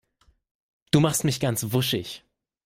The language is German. Du machst mich ganz wuschig.